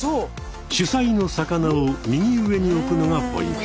主菜の魚を右上に置くのがポイント。